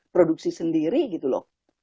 produksi sendiri gitu loh